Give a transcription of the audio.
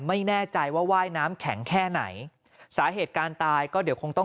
ไม่แน่ใจว่าว่ายน้ำแข็งแค่ไหนสาเหตุการตายก็เดี๋ยวคงต้อง